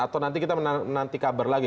atau nanti kita menanti kabar lagi